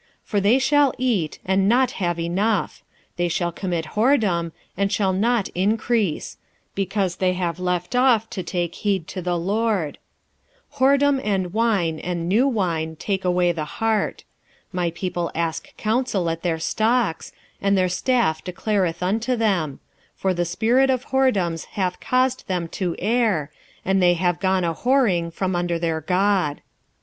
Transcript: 4:10 For they shall eat, and not have enough: they shall commit whoredom, and shall not increase: because they have left off to take heed to the LORD. 4:11 Whoredom and wine and new wine take away the heart. 4:12 My people ask counsel at their stocks, and their staff declareth unto them: for the spirit of whoredoms hath caused them to err, and they have gone a whoring from under their God.